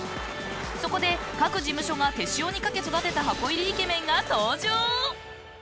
そこで、各事務所が手塩にかけ育てた箱入りイケメンが登場。